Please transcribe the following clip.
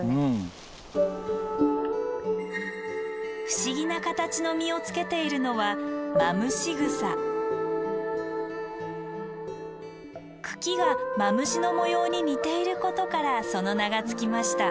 不思議な形の実をつけているのは茎がマムシの模様に似ていることからその名が付きました。